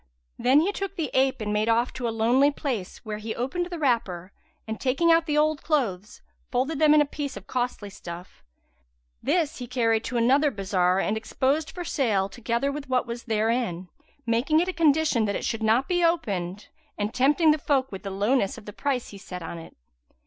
Then he took the ape and made off to a lonely place, where he opened the wrapper and, taking out the old clothes, folded them in a piece of costly stuff. This he carried to another bazar and exposed for sale together with what was therein, making it a condition that it should not be opened, and tempting the folk with the lowness of the price he set on it.